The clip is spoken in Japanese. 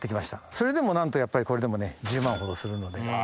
それでもなんとこれでもね１０万ほどするので。